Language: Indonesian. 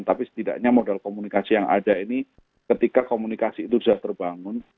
tapi setidaknya modal komunikasi yang ada ini ketika komunikasi itu sudah terbangun